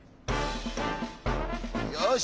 よし！